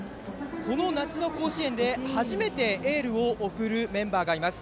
この夏の甲子園で初めてエールを送るメンバーがいます。